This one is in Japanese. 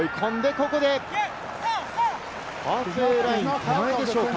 ここでハーフウェイライン手前でしょうか？